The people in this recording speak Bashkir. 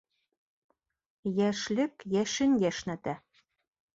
Йәшлек йәшен йәшнәтә.